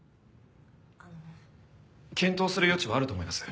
あの。検討する余地はあると思います。